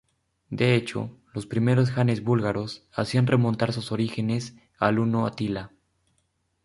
De hecho, los primeros janes búlgaros hacían remontar sus orígenes al huno Atila.